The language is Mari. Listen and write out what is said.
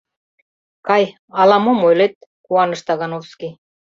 — Кай, ала-мом ойлет? — куаныш Тагановский.